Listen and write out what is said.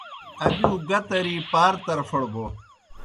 آ دِیؤ گاہ ترِی پار طرفَڑ بو۔